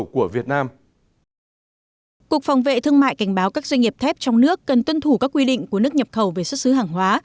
cục phòng vệ thương mại cảnh báo các doanh nghiệp thép trong nước cần tuân thủ các quy định của nước nhập khẩu về xuất xứ hàng hóa